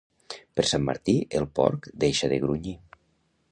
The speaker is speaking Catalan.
Per Sant Martí el porc deixa de grunyir.